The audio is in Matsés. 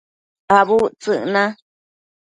Abudtsëc na